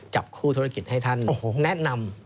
จับคู่ธุรกิจให้ท่านแนะนำ